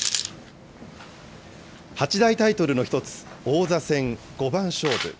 八大タイトルの１つ、王座戦五番勝負。